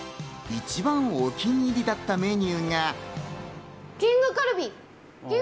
一番お気に入りだったメニューが。